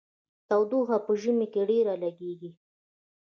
تودوخه په ژمي کې ډیره لګیږي.